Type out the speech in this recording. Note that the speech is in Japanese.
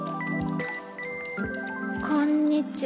「こんにちは。